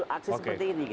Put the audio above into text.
aksi seperti ini gitu